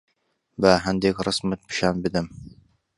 با هەندێک ڕەسمت پیشان بدەم.